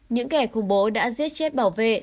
những kẻ khủng bố đã giết chết bảo vệ